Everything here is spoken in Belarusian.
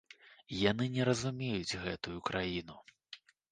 Яны не разумеюць гэтую краіну.